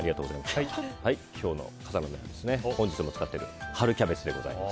今日の笠原の眼は本日も使っている春キャベツでございます。